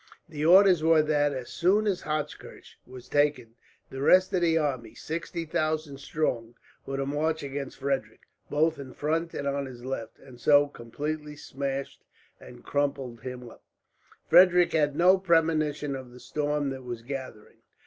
The orders were that, as soon as Hochkirch was taken, the rest of the army, sixty thousand strong, were to march against Frederick, both in front and on his left, and so completely smash and crumple him up. Frederick had no premonition of the storm that was gathering.